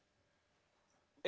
え？